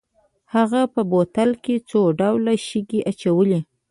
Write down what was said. هغه په بوتل کې څو ډوله شګې اچولې.